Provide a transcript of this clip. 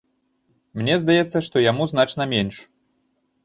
Мне здаецца, што яму значна менш.